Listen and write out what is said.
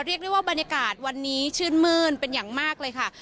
เรียกได้ว่าบรรยากาศวันนี้ชื่นมื้นเป็นอย่างมากเลยค่ะ